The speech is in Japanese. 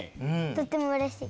とってもうれしい。